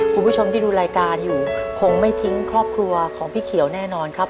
คุณผู้ชมที่ดูรายการอยู่คงไม่ทิ้งครอบครัวของพี่เขียวแน่นอนครับ